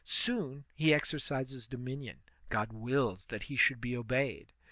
Soon he exercises dominion; God wills that he should be obeyed.